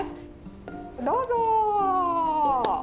どうぞ。